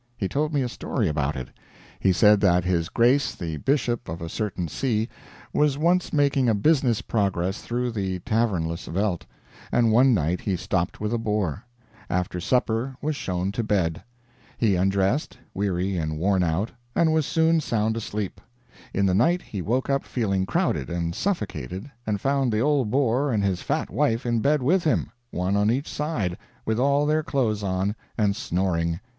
He told me a story about it. He said that his grace the Bishop of a certain See was once making a business progress through the tavernless veldt, and one night he stopped with a Boer; after supper was shown to bed; he undressed, weary and worn out, and was soon sound asleep; in the night he woke up feeling crowded and suffocated, and found the old Boer and his fat wife in bed with him, one on each side, with all their clothes on, and snoring.